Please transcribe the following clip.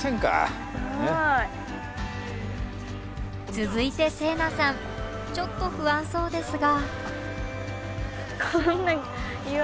続いて星南さんちょっと不安そうですが。